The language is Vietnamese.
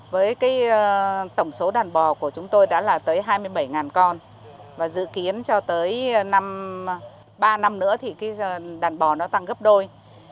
với tổng số đàn bò của chúng tôi đã là tới hai mươi bảy con và dự kiến cho tới ba năm nữa thì đàn bò nó tăng gấp đôi